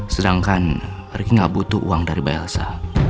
sedangkan riki enggak butuh uang dari mbak elsa